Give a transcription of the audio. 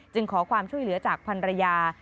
จึงขอความช่วยเหลือจากภัณฑ์ระยา